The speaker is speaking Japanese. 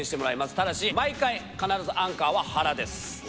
ただし毎回必ずアンカーははらです。